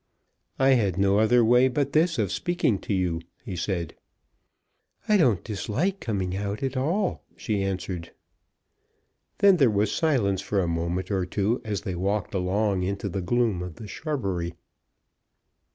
"I had no other way but this of speaking to you," he said. "I don't dislike coming out at all," she answered. Then there was silence for a moment or two as they walked along into the gloom of the shrubbery.